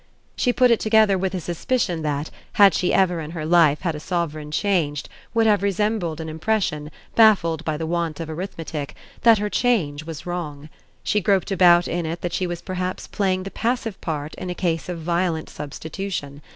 She put it together with a suspicion that, had she ever in her life had a sovereign changed, would have resembled an impression, baffled by the want of arithmetic, that her change was wrong: she groped about in it that she was perhaps playing the passive part in a case of violent substitution.